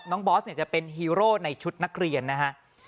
บอสเนี่ยจะเป็นฮีโร่ในชุดนักเรียนนะฮะ